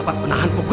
yang memanggil ulmu